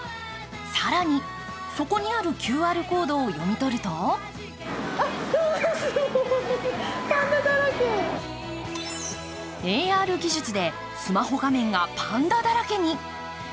更に、そこにあるＱＲコードを読み取るとＡＲ技術でスマホ画面がパンダだらけに。